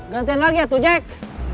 gantian lagi ya tujek